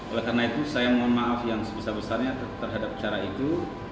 oleh karena itu saya mohon maaf yang sebesar besarnya terhadap cara itu